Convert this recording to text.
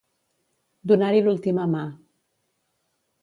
Donar-hi l'última mà.